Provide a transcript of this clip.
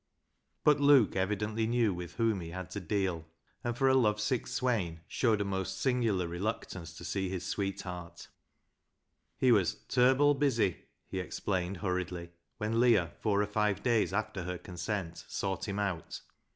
But Luke evidently knew with whom he had to deal, and for a lovesick swain showed a most singular reluctance to see his sweetheart He was " ter'ble busy," he explained hurriedly, when Leah, four or five days after her consent, sought him out.